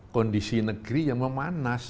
kondisi negeri yang memanas